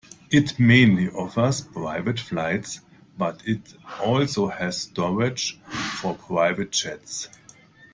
It mainly offers private flights, but it also has storage for private jets.